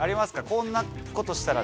こんなことしたら。